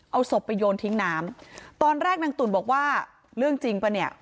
เอาศพไปโยนทิ้งน้ำตอนแรกนางตุ๋นบอกว่าเรื่องจริงป่ะเนี่ย